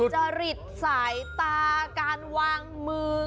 จริตสายตาการวางมือ